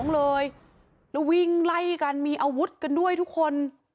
เลยแล้ววิ่งไล่กันมีอาวุธกันด้วยทุกคน